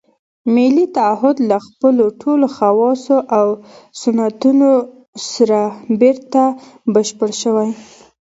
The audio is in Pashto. ملي تعهُد له خپلو ټولو خواصو او سنتونو سره بېرته بشپړ شوی.